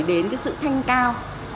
đến cái sự thanh cao